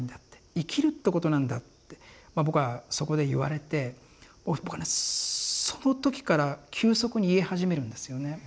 「生きるってことなんだ」って僕はそこで言われてその時から急速に癒え始めるんですよね。